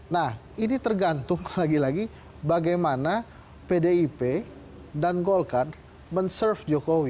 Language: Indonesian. nah ini tergantung lagi lagi bagaimana pdip dan golkar men serve jokowi